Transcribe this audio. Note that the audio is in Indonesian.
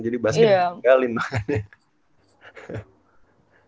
jadi pasti tinggalin makanya